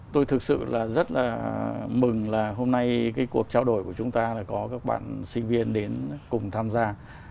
tôi thực sự là rất là mừng là hôm nay cái cuộc trao đổi của chúng ta là có các bạn sinh viên đến cùng tham gia